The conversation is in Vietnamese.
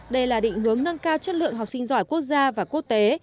đây là định hướng nâng cao chất lượng học sinh giỏi quốc gia và quốc tế